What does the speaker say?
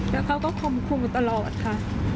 แล้วเขาก็ข่มขู่ตลอดค่ะ